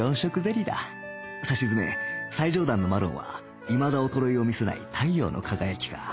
さしずめ最上段のマロンはいまだ衰えを見せない太陽の輝きか